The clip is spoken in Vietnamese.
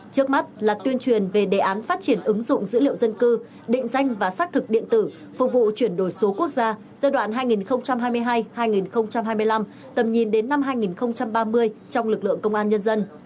trước mắt là tuyên truyền về đề án phát triển ứng dụng dữ liệu dân cư định danh và xác thực điện tử phục vụ chuyển đổi số quốc gia giai đoạn hai nghìn hai mươi hai hai nghìn hai mươi năm tầm nhìn đến năm hai nghìn ba mươi trong lực lượng công an nhân dân